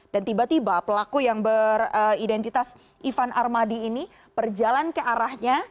dan tiba tiba pelaku yang beridentitas ivan armadi ini perjalan ke arahnya